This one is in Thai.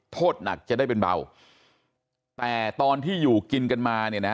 โทษหนักจะได้เป็นเบาแต่ตอนที่อยู่กินกันมาเนี่ยนะ